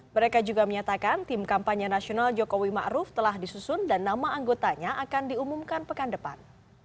mereka juga menyatakan tim kampanye nasional jokowi ⁇ maruf ⁇ telah disusun dan nama anggotanya akan diumumkan pekan depan